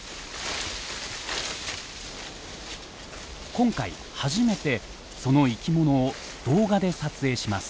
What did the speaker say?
今回初めてその生きものを動画で撮影します。